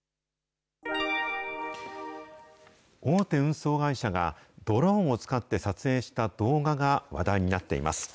大手運送会社が、ドローンを使って撮影した動画が話題になっています。